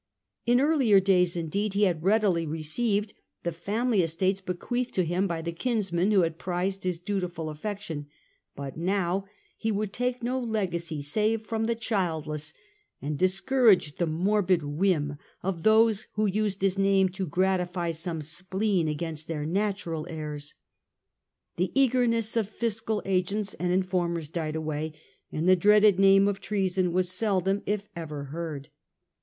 In earlier days, indeed, he had readily received the family estates bequeathed and econo to him by the kinsmen who had prized his micai, dutiful affection, but now he would take no legacy save from the childless, and discouraged the mor bid whim of those who used his name to gratify some spleen against their natural heirs. The eagerness of fiscal agents and informers died away, and the dreaded name of treason was seldom, if ever, heard.